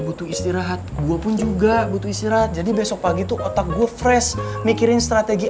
butuh istirahat gue pun juga butuh istirahat jadi besok pagi tuh otak gue fresh mikirin strategi